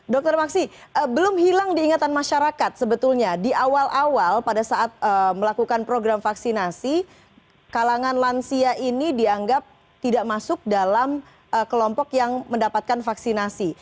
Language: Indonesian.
dr maksi belum hilang diingatan masyarakat sebetulnya di awal awal pada saat melakukan program vaksinasi kalangan lansia ini dianggap tidak masuk dalam kelompok yang mendapatkan vaksinasi